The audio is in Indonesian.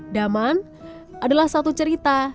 daman adalah satu cerita